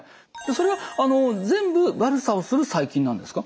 それが全部悪さをする細菌なんですか？